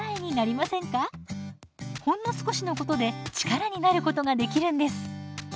ほんの少しのことで力になることができるんです。